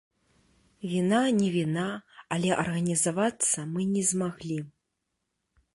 Віна не віна, але арганізавацца мы не змаглі.